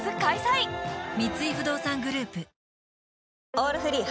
「オールフリー」